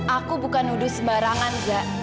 aku bukan nuduh sebarangan za